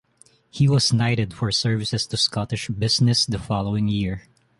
He was knighted for services to Scottish business the following year.